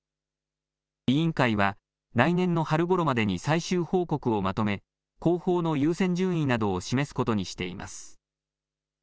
委員会は来年の春ごろまでに最終報告をまとめ、工法の優先順位などを示すことにしています。